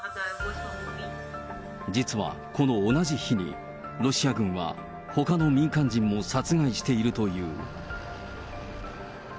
実はこの同じ日に、ロシア軍はほかの民間人も殺害しているという。